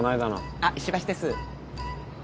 あっ石橋です。